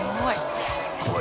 すごい。